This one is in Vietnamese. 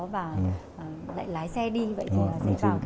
vậy thì sẽ vào cái phần